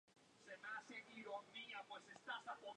Con la ayuda de Mr.